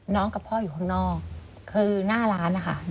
กับพ่ออยู่ข้างนอกคือหน้าร้านนะคะ